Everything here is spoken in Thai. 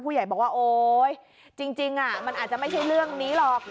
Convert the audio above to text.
บอกว่าโอ๊ยจริงมันอาจจะไม่ใช่เรื่องนี้หรอก